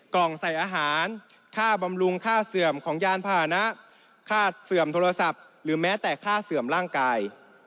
กล่องใส่อาหารค่าบำรุงค่าเสื่อมของยานผ่านะค่าเสื่อมโทรศัพท์หรือแม้แต่ค่าเสื่อมร่างกาย